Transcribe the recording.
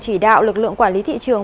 chỉ đạo lực lượng quản lý thị trường